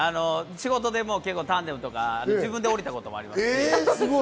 仕事でもタンデムとか自分で降りたこともあります。